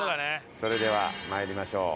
それでは参りましょう。